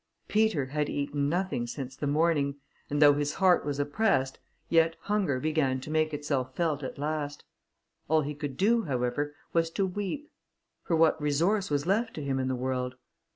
Peter had eaten nothing since the morning, and though his heart was oppressed, yet hunger began to make itself felt at last. All he could do, however, was to weep; for what resource was left to him in the world?